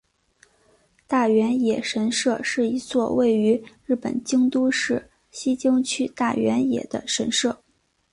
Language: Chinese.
大原野神社是一座位于日本京都市西京区大原野的神社。